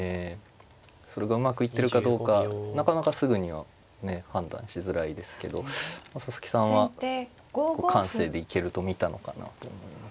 それがうまくいってるかどうかなかなかすぐにはね判断しづらいですけど佐々木さんは感性で行けると見たのかなと思いますね。